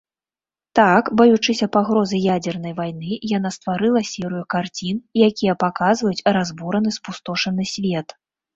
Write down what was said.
Так, баючыся пагрозы ядзернай вайны, яна стварыла серыю карцін, якія паказваюць разбураны, спустошаны свет.